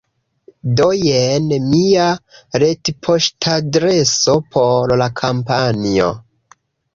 Do jen mia retpoŝtadreso por la kampanjo